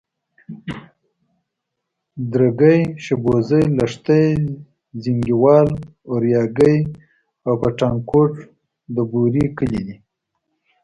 درگۍ، شبوزې، لښتي، زينگيوال، اورياگی او پټانکوټ د بوري کلي دي.